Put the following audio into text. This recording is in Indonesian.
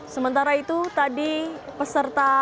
sementara itu tadi peserta